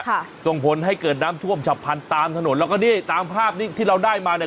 ส่งผลให้เกิดน้ำท่วมฉับพันธุ์ตามถนนแล้วก็นี่ตามภาพนี้ที่เราได้มาเนี่ย